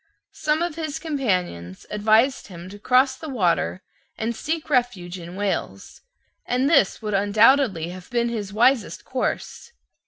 Some of his companions advised him to cross the water, and seek refuge in Wales; and this would undoubtedly have been his wisest course.